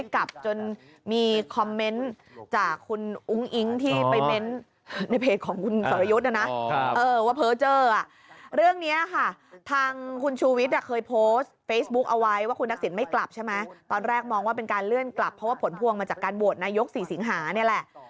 ก็จะมองว่าเป็นการเลื่อนกลับเพราะว่าผลพวงมาจากการโบสถ์นายกสี่สิงหานี่แหละ